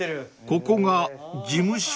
［ここが寺務所？］